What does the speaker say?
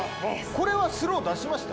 これはスロー出しました？